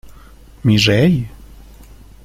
¡ mi rey!...